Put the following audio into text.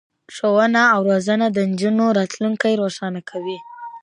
ښوونه او روزنه د نجونو راتلونکی روښانه کوي.